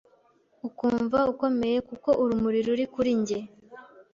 uKumva ukomeye kuko urumuri ruri kuri njye